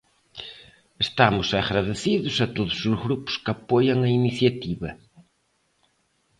Estamos agradecidos a todos os grupos que apoian a iniciativa.